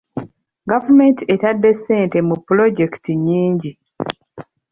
Gavumenti ettadde ssente mu pulojekiti nnyingi.